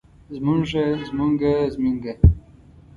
زمونږه زمونګه زمينګه